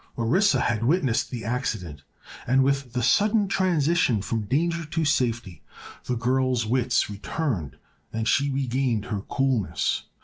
] Orissa had witnessed the accident and with the sudden transition from danger to safety the girl's wits returned and she regained her coolness.